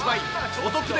お得で！